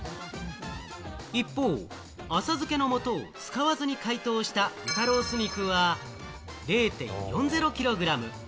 一方、浅漬けの素を使わずに解凍した豚ロース肉は０．４０キログラム。